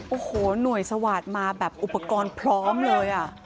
โอ้โหหน่วยสวาสตร์มาแบบอุปกรณ์พร้อมเลย